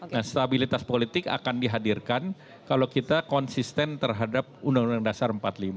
nah stabilitas politik akan dihadirkan kalau kita konsisten terhadap undang undang dasar empat puluh lima